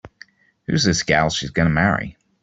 Who's this gal she's gonna marry?